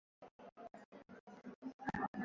Tulimwomba Mungu dua amesikia